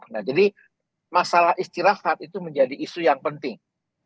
nah jadi masalah istirahat itu menjadi isu yang penting